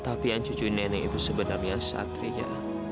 tapi yang cucuin nenek itu sebenarnya satria